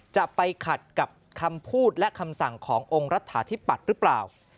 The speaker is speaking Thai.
จะไปขัดกับคำพูดและคำสั่งขององค์รัฐาธิปัตย์หรือเปล่า